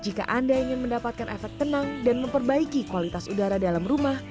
jika anda ingin mendapatkan efek tenang dan memperbaiki kualitas udara dalam rumah